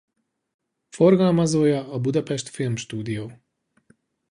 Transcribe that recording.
Forgalmazója a Budapest filmstúdió.